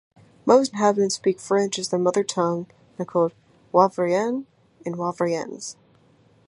Most inhabitants speak French as their mother tongue and are called "Wavriens" and "Wavriennes".